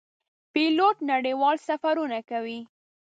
پیلوټ نړیوال سفرونه کوي.